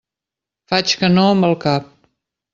Faig que no amb el cap.